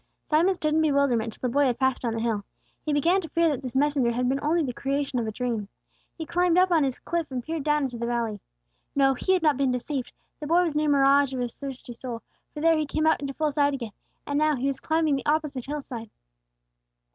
Simon stood in bewilderment till the boy had passed down the hill; he began to fear that this messenger had been only the creation of a dream. He climbed upon the cliff and peered down into the valley. No, he had not been deceived; the boy was no mirage of his thirsty soul, for there, he came out into full sight again, and now, he was climbing the opposite hillside.